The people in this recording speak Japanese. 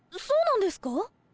そうなんですか？